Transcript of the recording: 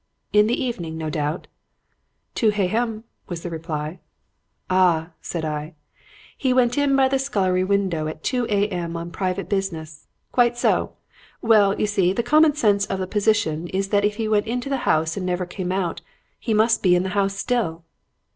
"'In the evening, no doubt?' "'Two hay hem,' was the reply. "'Ah!' said I. 'He went in by the scullery window at two A.M. on private business. Quite so! Well, you see, the common sense of the position is that if he went into the house and never came out, he must be in the house still."